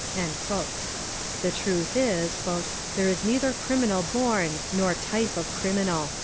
The truth is "there is neither criminal born nor type of criminal."